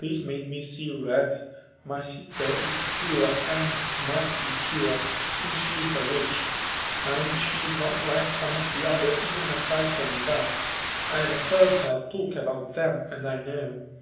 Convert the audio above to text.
This made me see red; my sister is pure and must be pure, since she is a witch. And she is not like some of the others even aside from that. I have heard her talk about them and I know.